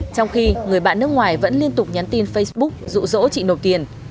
trong khi người bạn nước ngoài vẫn liên tục nhắn tin facebook dụ dỗ chị nộp tiền